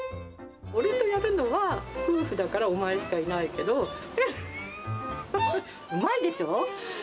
俺とやるのは、夫婦だからお前しかいないけど、うまいでしょ？